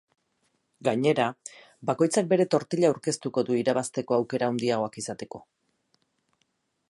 Gainera, bakoitzak bere tortilla aurkeztuko du irabazteko aukera handiagoa izateko.